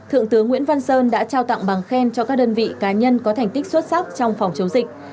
thượng tướng nguyễn văn sơn đã trao tặng bằng khen cho các đơn vị cá nhân có thành tích xuất sắc trong phòng chống dịch